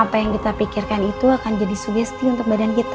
apa yang kita pikirkan itu akan jadi sugesti untuk badan kita